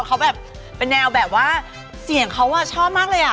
เขาแบบเป็นแนวแบบว่าเสียงเขาชอบมากเลยอ่ะ